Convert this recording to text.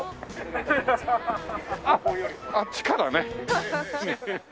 あっあっちからね。